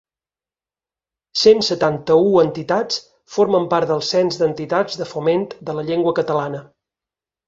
Cent setanta-u entitats formen part del cens d’entitats de foment de la llengua catalana.